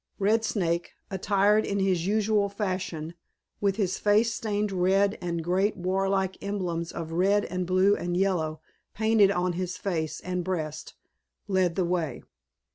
Red Snake, attired in his usual fashion, with his face stained red and great warlike emblems of red and blue and yellow painted on his face and breast, led the way.